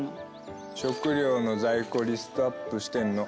食料の在庫リストアップしてんの。